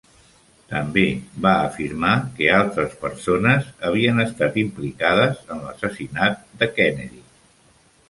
També va afirmar que altres persones havien estat implicades en l'assassinat de Kennedy.